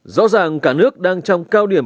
rõ ràng cả nước đang trong cao điểm